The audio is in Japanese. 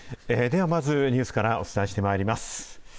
では、まずニュースからお伝えしてまいります。